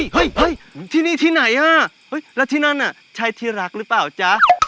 เฮ้ยที่นี่ที่ไหนอ่ะแล้วที่นั่นน่ะใช่ที่รักหรือเปล่าจ๊ะ